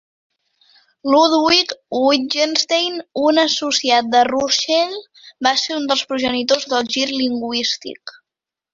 Ludwig Wittgenstein, un associat de Russell, va ser un dels progenitors del gir lingüístic.